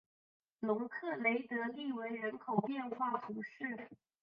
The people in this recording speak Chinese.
容克雷德利韦人口变化图示